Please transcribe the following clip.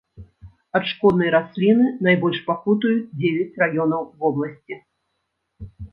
Ад шкоднай расліны найбольш пакутуюць дзевяць раёнаў вобласці.